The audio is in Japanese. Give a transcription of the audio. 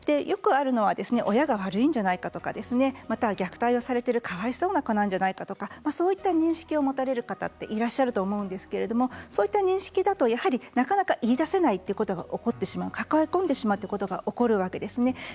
よくあるのは親が悪いんじゃないかとか虐待されているかわいそうな子なんじゃないかとかそういった認識を持たれる方いらっしゃると思うんですけれどそういった認識だとなかなか言いだせないということが起こってしまう、抱え込んでしまうことが起こるわけですね。